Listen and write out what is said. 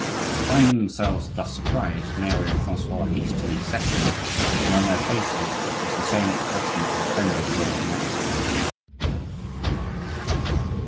Finding themselves thus surprised, Mary and Francois hastily separated, and on their faces was the same expression of offended royal majesty.